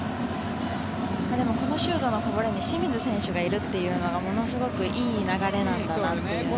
このシュートのこぼれに清水選手がいるというのがものすごいいい流れなんだなというのは。